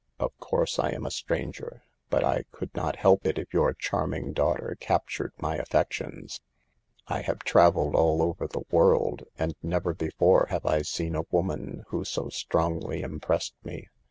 " Of course I am a stranger, but I could not help it if your charming daughter cap tured my affections. I have traveled all over the 4 74 SAVE THE GIELS. world, and never before have I seen a woman who so strongly impressed me.